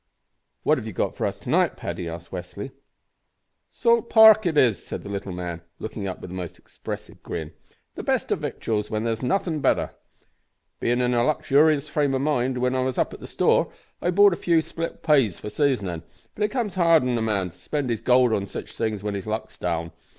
"What have you got for us to night, Paddy?" asked Westly. "Salt pork it is," said the little man, looking up with a most expressive grin; "the best o' victuals when there's nothin' better. Bein' in a luxurious frame o' mind when I was up at the store, I bought a few split pays for seasonin'; but it comes hard on a man to spind his gould on sitch things when his luck's down.